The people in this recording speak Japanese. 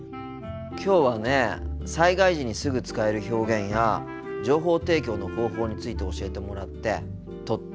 きょうはね災害時にすぐ使える表現や情報提供の方法について教えてもらってとっても勉強になったよ。